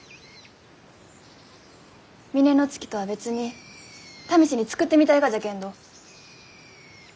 峰乃月とは別に試しに造ってみたいがじゃけんど。